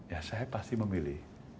ya saya pasti memilih